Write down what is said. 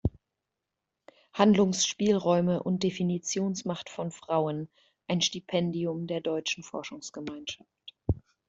Handlungsspielräume und Definitionsmacht von Frauen" ein Stipendium der Deutschen Forschungsgemeinschaft.